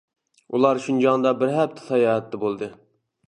ئۇلار شىنجاڭدا بىر ھەپتە ساياھەتتە بولدى.